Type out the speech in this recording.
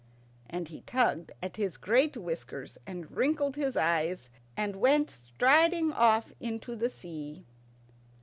And he tugged at his great whiskers, and wrinkled his eyes, and went striding off into the sea.